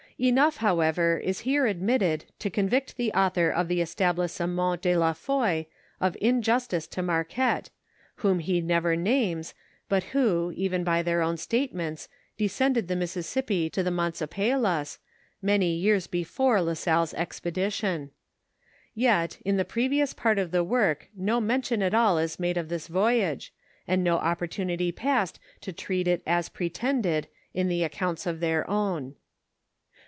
Enough, however, is hero admitted to convict the author of the Etoblissoment de la Foi of injustice to Marquette, whom ho uovor names, but who, even by their own statements, descended the Mississippi to the Mansopelas, many years before La Salle's expedition. Yet in tho previous part of the work no mention at all is made of this voyage, and no opportunity passed to treat it as pretended in tho accounts of their own.